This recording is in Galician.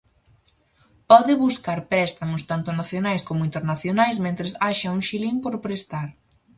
Pode buscar préstamos tanto nacionais como internacionais mentres haxa un xilin por prestar.